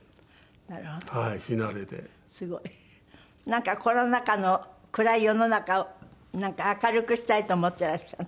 なんかコロナ禍の暗い世の中を明るくしたいと思っていらっしゃる。